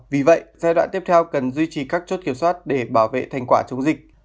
vì vậy giai đoạn tiếp theo cần duy trì các chốt kiểm soát để bảo vệ thành quả chống dịch